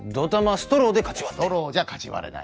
ストローじゃかち割れない。